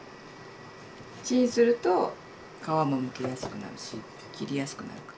チンすると皮もむきやすくなるし切りやすくなるから。